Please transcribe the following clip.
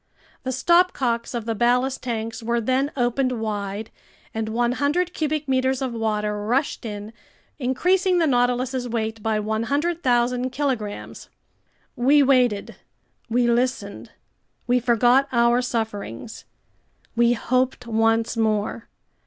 The stopcocks of the ballast tanks were then opened wide, and 100 cubic meters of water rushed in, increasing the Nautilus's weight by 100,000 kilograms. We waited, we listened, we forgot our sufferings, we hoped once more.